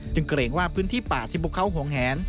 เกรงว่าพื้นที่ป่าที่พวกเขาห่วงแหน